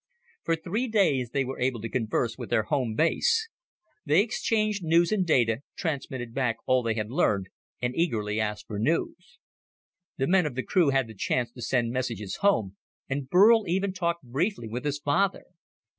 For three days they were able to converse with their home base. They exchanged news and data, transmitted back all they had learned and eagerly asked for news. The men of the crew had the chance to send messages home, and Burl even talked briefly with his father.